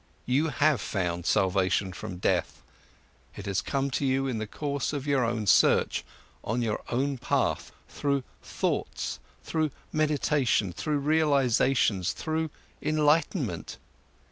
You have found salvation from death. It has come to you in the course of your own search, on your own path, through thoughts, through meditation, through realizations, through enlightenment.